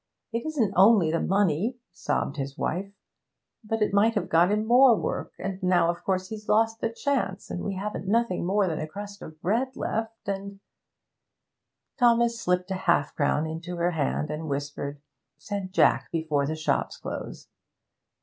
'It isn't only the money,' sobbed his wife, 'but it might have got him more work, and now, of course, he's lost the chance, and we haven't nothing more than a crust of bread left. And ' Thomas slipped half a crown into her hand and whispered, 'Send Jack before the shops close.'